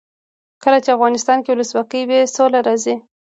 کله چې افغانستان کې ولسواکي وي سوله راځي.